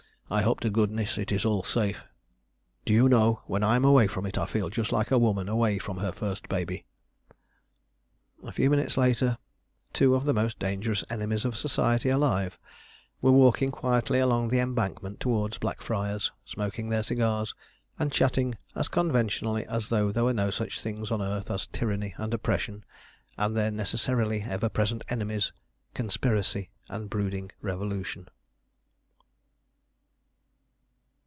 I hope to goodness it is all safe! Do you know, when I am away from it I feel just like a woman away from her first baby." A few minutes later two of the most dangerous enemies of Society alive were walking quietly along the Embankment towards Blackfriars, smoking their cigars and chatting as conventionally as though there were no such things on earth as tyranny and oppression, and their necessarily ever present enemies conspiracy and brooding revolution.